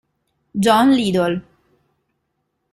John Little